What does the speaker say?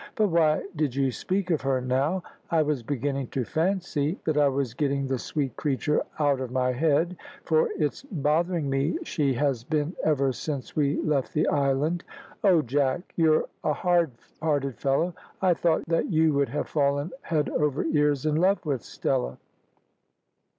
"But why did you speak of her now? I was beginning to fancy that I was getting the sweet creature out of my head, for it's bothering me she has been ever since we left the island. Oh, Jack! you're a hardhearted fellow. I thought that you would have fallen head over ears in love with Stella."